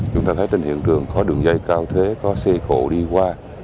chúng ta thấy trên hiện trường có đường dây cao thế có xe khổ đi qua